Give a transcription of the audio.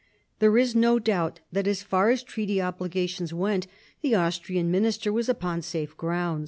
There is no doubt that as far as treaty obligation went, the Austrian minister was upon safe ground.